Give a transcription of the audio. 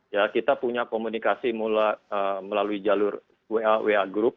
ya kita punya komunikasi melalui jalur wa wa group